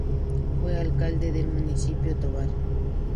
Fue Alcalde del Municipio Tovar.